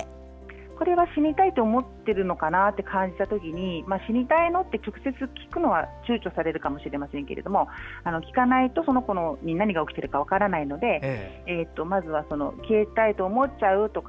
これは死にたいと思っているのかなと感じたときに死にたいの？と直接聞くのはちゅうちょされるかもしれませんけど聞かないと、その子に何が起きているか分からないのでまず消えたいと思っちゃう？とか